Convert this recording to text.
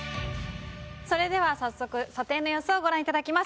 それでは早速査定の様子をご覧いただきます。